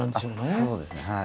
そうですねはい。